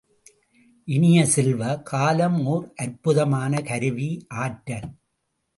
இனிய செல்வ, காலம் ஓர் அற்புதமான கருவி, ஆற்றல்!